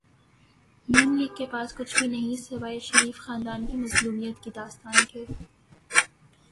ن لیگ کے پاس کچھ بھی نہیں سوائے شریف خاندان کی مظلومیت کی داستان کے۔